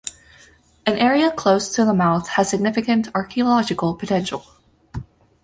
An area close to the mouth has significant archaeological potential.